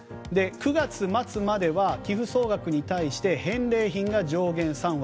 ９月末までは寄付総額に対して返礼品が上限３割。